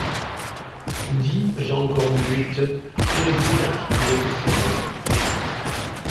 dit Jean Cornbutte, qui ne put articuler que ces mots.